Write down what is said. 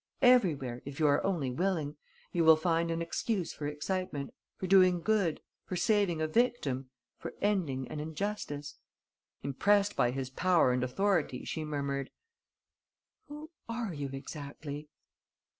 Everywhere, if you are only willing, you will find an excuse for excitement, for doing good, for saving a victim, for ending an injustice." Impressed by his power and authority, she murmured: "Who are you exactly?"